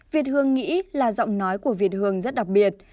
việt hương nghĩ là giọng nói của việt hương rất đặc biệt